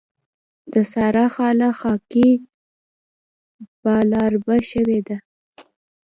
د سارا خاله خاکي بلاربه شوې ده.